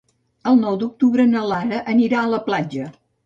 El nou d'octubre na Lara anirà a la platja.